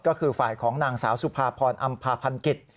ก็คือฝ่ายของนางสาวสุภาพรอำภาพันกิจ